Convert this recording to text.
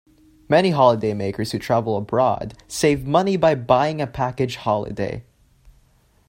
Many holidaymakers who travel abroad save money by buying a package holiday